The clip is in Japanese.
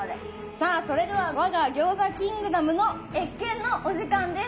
さあそれでは我が餃子キングダムの謁見のお時間です。